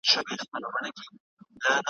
هېر به مي یادونه وي له نوم او له هستۍ سره ,